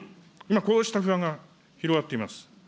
こうした不安が広がっています。